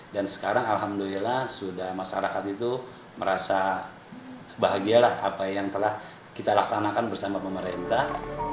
sekarang alhamdulillah sudah masyarakat itu merasa bahagialah apa yang telah kita laksanakan bersama pemerintah